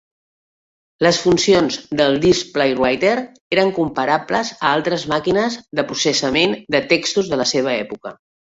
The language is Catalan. Les funcions del Displaywriter eren comparables a altres màquines de processament de textos de la seva època.